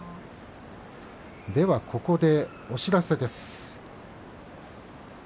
ここでお知らせです。